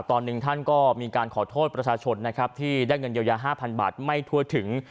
ตอนหนึ่งท่านก็มีการขอโทษประชาชนนะครับที่ได้เงินเยียวยา๕๐๐บาทไม่ทั่วถึง